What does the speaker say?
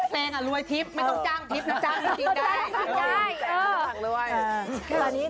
เพลงอ่ะรวยทิพย์ไม่ต้องจ้างทิพย์